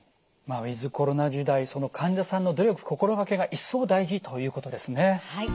まあウィズコロナ時代その患者さんの努力心がけが一層大事ということですね。